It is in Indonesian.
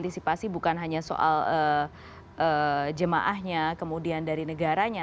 antisipasi bukan hanya soal jemaahnya kemudian dari negaranya